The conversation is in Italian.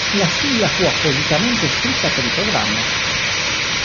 La sigla, fu appositamente scritta per il programma.